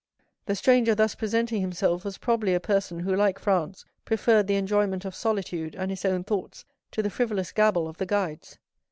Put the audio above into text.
The stranger thus presenting himself was probably a person who, like Franz, preferred the enjoyment of solitude and his own thoughts to the frivolous gabble of the guides.